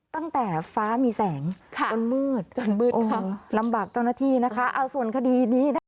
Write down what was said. ตั้งแต่ฟ้ามีแสงจนมืดจนมืดลำบากเจ้าหน้าที่นะคะเอาส่วนคดีนี้นะคะ